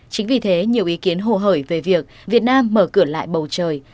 chính vì thế nhiều ý kiến hồ hởi về việc việt nam mở cửa lại bầu trời